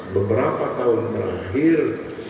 beberapa tahun terakhir